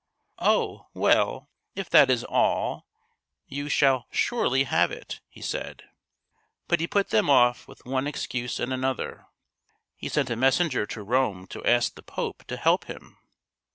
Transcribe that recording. " Oh, well ! If that is all, you shall surely have it," he said. But he put them off with one excuse and another. He sent a messenger to Rome to ask the Pope to help him.